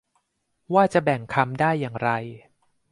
ว่าจะแบ่งคำได้อย่างไร